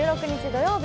土曜日